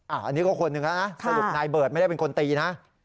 อันนี้ก็คนหนึ่งแล้วนะสรุปนายเบิร์ตไม่ได้เป็นคนตีนะ